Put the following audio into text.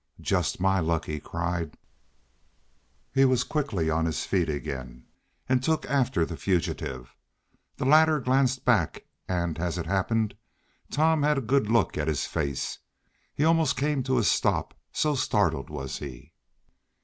"Just my luck!" he cried. He was quickly on his feet again, and took after the fugitive. The latter glanced back, and, as it happened, Tom had a good look at his face. He almost came to a stop, so startled was he.